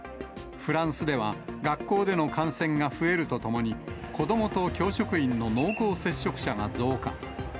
フランスでは学校での感染が増えるとともに、子どもと教職員の濃厚接触者が増加。